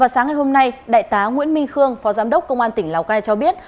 sáng ngày hôm nay đại tá nguyễn minh khương phó giám đốc công an tỉnh lào cai cho biết